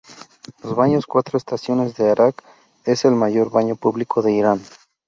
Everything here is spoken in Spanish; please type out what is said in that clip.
Los Baños Cuatro estaciones de Arak es el mayor baño público de Irán.